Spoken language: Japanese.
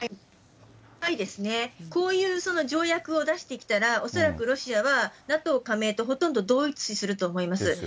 こういう条約を出してきたら、恐らくロシアは、ＮＡＴＯ加盟とほとんど同一視すると思います。